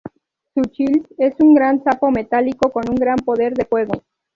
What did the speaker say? Su Child es un gran sapo metálico con un gran poder de fuego.